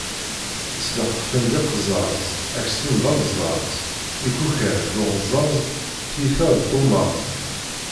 Sleqfen d iqzaẓ, aksum d aleẓẓaẓ, ikukaḍ d uɣẓaẓ, tiyita n tummaẓ.